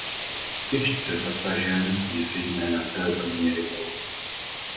Těžce zasažen je zejména drobný rybolov.